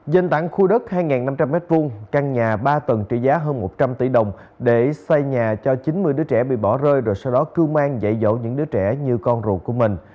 danh tảng khu đất hai năm trăm linh m hai căn nhà ba tầng trị giá hơn một trăm linh tỷ đồng để xây nhà cho chín mươi đứa trẻ bị bỏ rơi rồi sau đó cưu mang dạy dỗ những đứa trẻ như con rùa của mình